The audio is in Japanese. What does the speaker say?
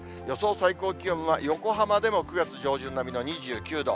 最高気温は、横浜でも９月上旬並みの２９度。